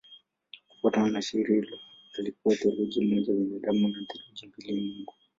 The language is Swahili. Kufuatana na shairi hilo alikuwa theluthi moja binadamu na theluthi mbili mungu.